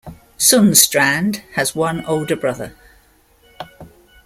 Sundstrand has one older brother.